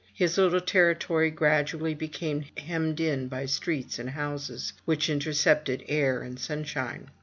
His little territory gradually became hemmed in by streets and houses, which intercepted air and sunshine.